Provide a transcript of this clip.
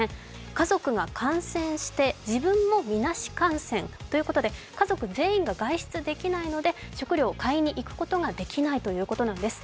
家族が感染して自分もみなし感染ということで家族全員が外出できないので、食料を買いに行くことができないということなんです。